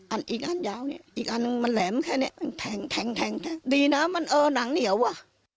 อีกอันยาวเนี่ยอีกอันนึงมันแหลมแค่เนี้ยมันแทงแทงดีนะมันเออหนังเหนียวอ่ะ